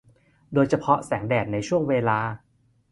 โดยเฉพาะแสงแดดในช่วงเวลา